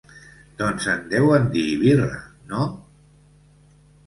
Doncs en deuen dir birra, no?